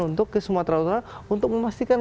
untuk ke sumatera utara untuk memastikan